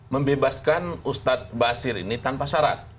membebaskan ustadz basir ini tanpa syarat